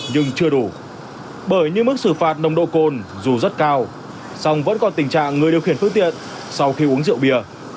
nhưng chưa đủ bởi như mức xử phạt nồng độ cồn dù rất cao song vẫn còn tình trạng người điều khiển phương tiện sau khi uống rượu bia